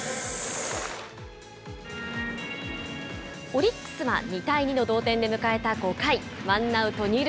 オリックスは２対２の同点で迎えた５回。